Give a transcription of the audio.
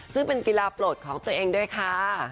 ซึ่งเป็นกีฬาโปรดของตัวเองด้วยค่ะ